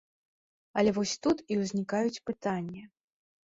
Але вось тут і ўзнікаюць пытанні.